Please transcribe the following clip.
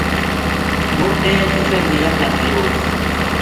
مُڑ کے پِچھاں ڈیرا تا گیو